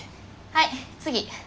はい次。